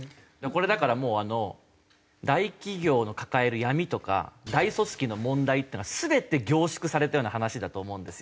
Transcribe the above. これだからもう大企業の抱える闇とか大組織の問題っていうのが全て凝縮されたような話だと思うんですよ。